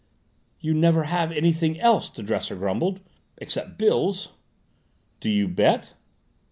"You never have anything else," the dresser grumbled " except bills." "Do you bet?"